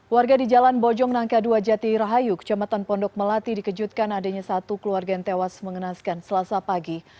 warga di jalan bojong nangka dua jati rahayu kecamatan pondok melati dikejutkan adanya satu keluarga yang tewas mengenaskan selasa pagi